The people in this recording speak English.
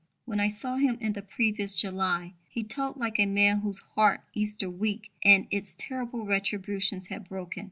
When I saw him in the previous July, he talked like a man whose heart Easter Week and its terrible retributions had broken.